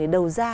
thì đầu ra